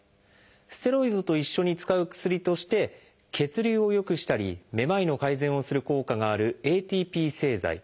ステロイドと一緒に使う薬として血流を良くしたりめまいの改善をする効果があるＡＴＰ製剤。